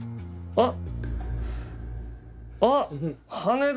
あっ！